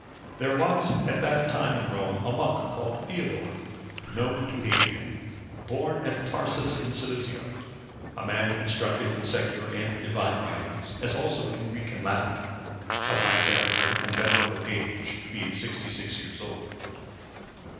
There was at that time in Rome, a monk, called Theodore,(524) known to Hadrian, born at Tarsus in Cilicia, a man instructed in secular and Divine writings, as also in Greek and Latin; of high character and venerable age, being sixty six years old.